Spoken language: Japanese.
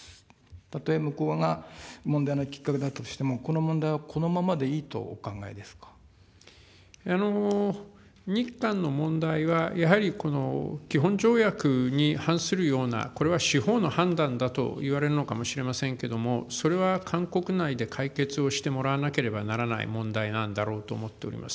たとえ向こうが問題のきっかけであったとしても、この問題はこの日韓の問題は、やはり、この基本条約に反するような、これは司法の判断だといわれるのかもしれませんけれども、それは韓国内で解決をしてもらわなければならない問題なんだろうと思っております。